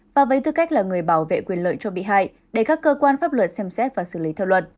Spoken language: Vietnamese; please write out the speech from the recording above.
và với tư cách là người bảo vệ quyền lợi cho bị hại để các cơ quan pháp luật xem xét và xử lý theo luật